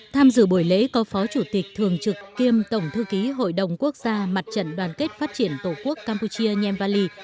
tham dự buổi lễ có phó chủ tịch thường trực kiêm tổng thư ký hội đồng quốc gia mặt trận đoàn kết phát triển tổ quốc campuchia nhemvali